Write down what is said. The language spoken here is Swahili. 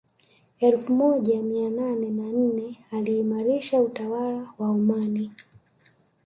Elfu moja mia nane na nne aliimarisha utawala wa Omani